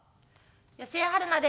吉江晴菜です。